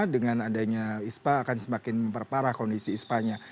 dengan adanya ispa akan semakin memperparah kondisi ispanya